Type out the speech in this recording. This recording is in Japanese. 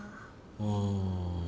ああ。